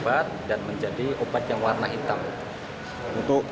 saya sudah berusaha untuk menghapus tattoo